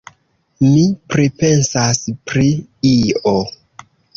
Mi pripensas pri io.